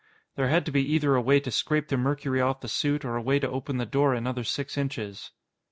There had to be either a way to scrape the mercury off the suit or a way to open the door another six inches.